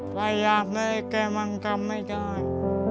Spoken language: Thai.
แต่อยากได้แก่งมันทำไม่ได้